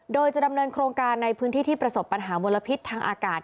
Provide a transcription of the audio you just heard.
โดยจะดำเนินโครงการในพื้นที่ที่ประสบปัญหามลพิษทางอากาศ